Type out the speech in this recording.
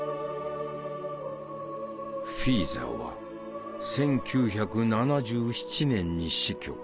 フィーザーは１９７７年に死去。